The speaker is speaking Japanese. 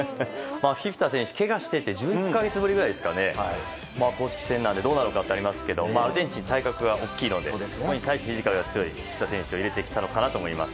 フィフィタ選手、ケガしていて１０か月ぶりですが公式戦なのでどうなのかというのがありますがアルゼンチンは体格が大きいのでフィジカルの強いフィフィタ選手を入れたんだと思います。